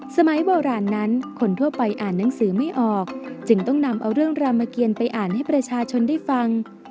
สมัยโบราณนั้นคนทั่วไปอ่านหนังสือไม่ออกจึงต้องนำเอาเรื่องรามเกียรไปอ่านให้ประชาชนได้ฟัง